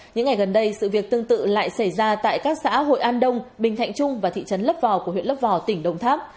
những ngày gần đây sự việc tương tự lại xảy ra tại các xã hội an đông bình thạnh trung và thị trấn lấp vò của huyện lấp vò tỉnh đồng tháp